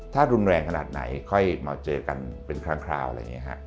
ถ้ารุนแรงขนาดไหนค่อยมาเจอกันเป็นครั้งคราวอะไรอย่างนี้ฮะ